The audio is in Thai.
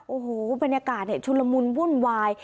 โอ้โหบรรยากาศเนี่ยชุนละมุนวุ่นวาย